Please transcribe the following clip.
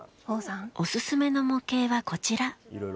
お勧めの模型はこちら。